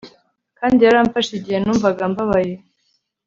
kandi yaramfashe igihe numvaga mbabaye